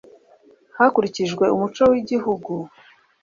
Hakurikijwe umuco w igihugu